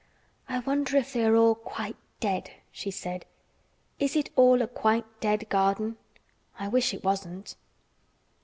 "I wonder if they are all quite dead," she said. "Is it all a quite dead garden? I wish it wasn't."